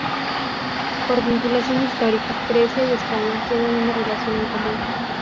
Por vinculación histórica, Grecia y España, tienen una relación en común.